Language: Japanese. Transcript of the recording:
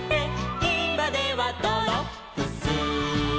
「いまではドロップス」